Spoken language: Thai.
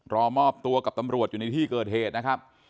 รอมอบตัวกับตำรวจอยู่ในที่เกิดเหตุนะครับ